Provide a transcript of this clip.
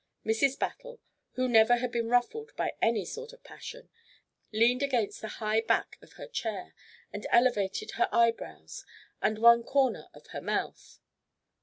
Mrs. Battle, who never had been ruffled by any sort of passion, leaned against the high back of her chair, and elevated her eyebrows and one corner of her mouth.